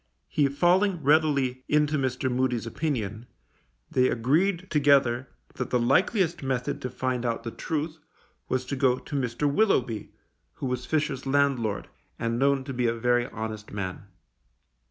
He falling readily into Mr. Moody's opinion, they agreed together that the likeliest method to find out the truth was to go to Mr. Willoughby, who was Fisher's landlord, and known to be a very honest man.